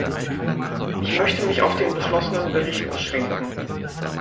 Ich möchte mich auf den beschlossenen Bericht beschränken.